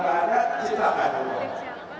kalau gak ada ciptakan peluang